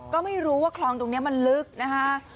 ก็ไม่รู้ว่าคลองตรงนี้มันลึกนะคะ